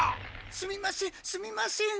すみませんすみません！